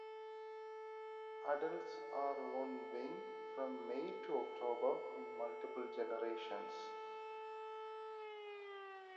Adults are on wing from May to October in multiple generations.